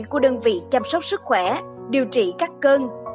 của đơn vị chăm sóc sức khỏe điều trị các cơn